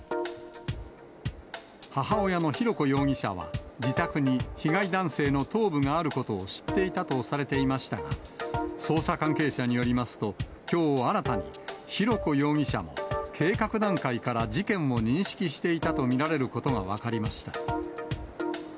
母親の浩子容疑者は、自宅に被害男性の頭部があることを知っていたとされていましたが、捜査関係者によりますと、きょう新たに、浩子容疑者も計画段階から事件を認識していたと見られることが分かりました。